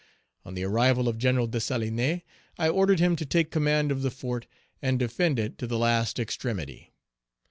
On the arrival of Gen. Dessalines, I ordered him to take command of the fort and defend it to the last extremity.